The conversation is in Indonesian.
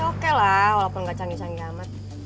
oke lah walaupun gak canggih canggih amat